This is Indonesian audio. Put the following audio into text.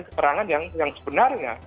keterangan yang sebenarnya